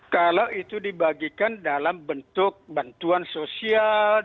kalau itu dibagikan dalam bentuk bantuan sosial